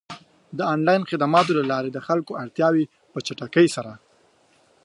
د آنلاین خدماتو له لارې د خلکو اړتیاوې په چټکۍ سره پ